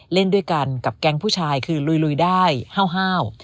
เล่นด้วยกันกับแก๊งผู้ชายคือลุยได้ห้าว